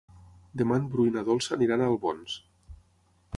Demà en Bru i na Dolça aniran a Albons.